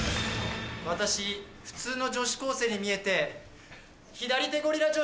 私普通の女子高生に見えて。